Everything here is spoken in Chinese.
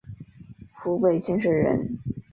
湖北蕲水人。